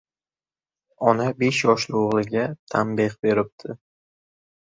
Ona besh yoshli oʻgʻliga tanbeh beribdi.